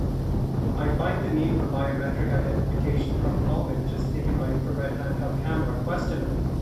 I find the need for biometric identification from palm images taken by infrared handheld camera questionable.